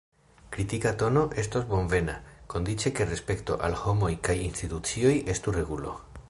Kritika tono estos bonvena, kondiĉe ke respekto al homoj kaj institucioj estu regulo.